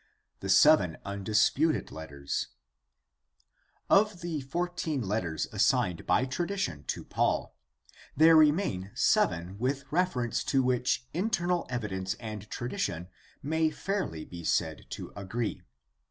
The seven undisputed letters. — Of the fourteen letters assigned by tradition to Paul, there remain seven with refer ence to which internal evidence and tradition may fairly be said to agree.